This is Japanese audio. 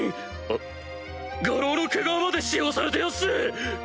あっ牙狼の毛皮まで使用されてやすぜ！